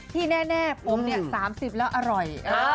ที่แน่ผม๓๐แล้วอร่อย